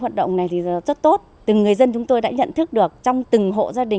môi trường này rất là tốt tốt hơn rất nhiều